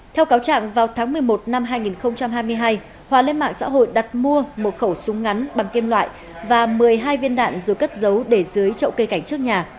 theo cáo trạng vào tháng một mươi một năm hai nghìn hai mươi hai hòa lên mạng xã hội đặt mua một khẩu súng ngắn bằng kim loại và một mươi hai viên đạn rồi cất dấu để dưới trậu cây cảnh trước nhà